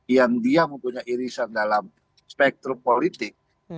yang dia mempunyai irisan dalam spektrum politik